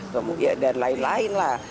kemudian dan lain lain lah